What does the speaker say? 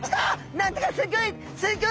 何だかすギョい